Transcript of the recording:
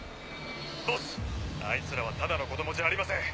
ボスあいつらはただの子供じゃありません。